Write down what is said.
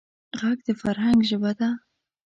غږ د فرهنګ ژبه ده